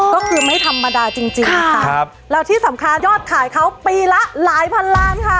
ก็คือไม่ธรรมดาจริงจริงนะคะครับแล้วที่สำคัญยอดขายเขาปีละหลายพันล้านค่ะ